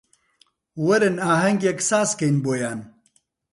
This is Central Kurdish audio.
وەرن ئاهەنگێک سازکەین بۆیان